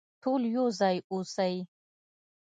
ټول يو ځای اوسئ.